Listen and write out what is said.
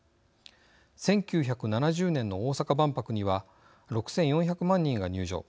１９７０年の大阪万博には６４００万人が入場。